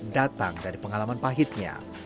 datang dari pengalaman pahitnya